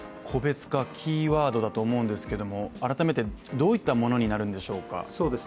個別化キーワードだと思うんですが改めて、どういったものになるんでしょうか？